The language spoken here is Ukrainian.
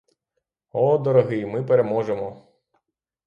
О, дорогий, ми переможемо!